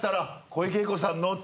「小池栄子さんの？」